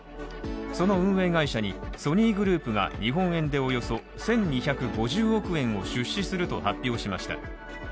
その運営会社にソニーグループが日本円でおよそ１２５０億円を出資すると発表しました。